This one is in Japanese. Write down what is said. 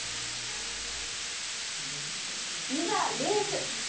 いざ、レース！